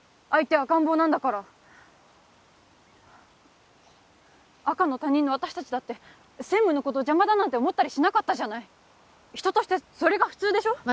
相手赤ん坊なんだから赤の他人の私達だって専務のこと邪魔だなんて思ったりしなかったじゃない人としてそれが普通でしょ